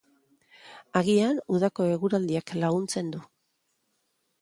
Agian udako eguraldiak laguntzen du.